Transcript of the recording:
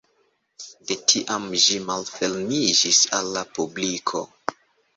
De tiam ĝi malfermiĝis al la publiko.